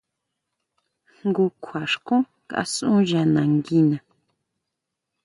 Njun kjua xkún kasu ya nanguina.